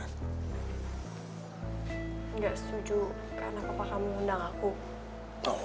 gak setuju karena papa kamu ngundang aku